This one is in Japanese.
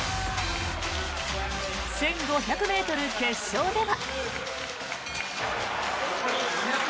１５００ｍ決勝では。